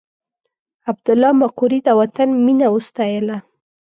عبدالله مقري د وطن مینه وستایله.